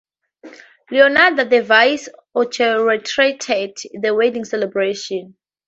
Leonardo da Vinci orchestrated the wedding celebration.